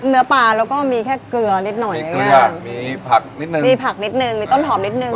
เนื้อปลาแล้วก็มีแค่เกลือนิดหน่อยเกลือมีผักนิดนึงมีผักนิดนึงมีต้นหอมนิดนึง